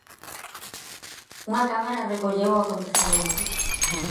Unha cámara recolleu o acontecemento.